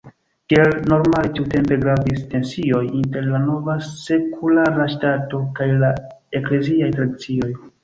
Kiel normale tiutempe, gravis tensioj inter la nova sekulara ŝtato kaj la ekleziaj tradicioj.